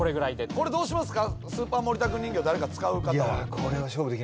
これどうしますか？